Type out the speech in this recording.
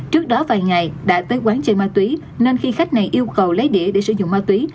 trước đó vài ngày đã tới quán chơi ma túy nên khi khách này yêu cầu lấy đĩa để sử dụng ma túy